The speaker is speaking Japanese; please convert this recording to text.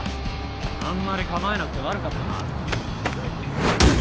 あんまり構えなくて悪かったな。